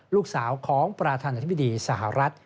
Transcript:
ลูกสาวของประธานาธิบดีสหรัฐ